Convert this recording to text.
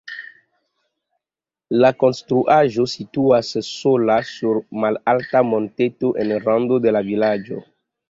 La konstruaĵo situas sola sur malalta monteto en rando de la vilaĝo.